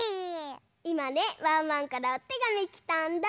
いまねワンワンからおてがみきたんだ。